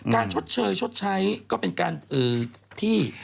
ชดเชยชดใช้ก็เป็นการที่